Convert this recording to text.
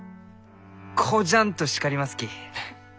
こじゃんと叱りますき。